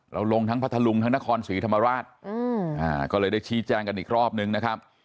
ลงทั้งพัทธลุงทั้งนครศรีธรรมราชก็เลยได้ชี้แจงกันอีกรอบนึงนะครับ